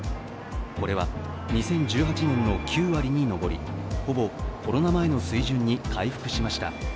これは、２０１８年の９割に上りほぼコロナ前の水準に回復しました。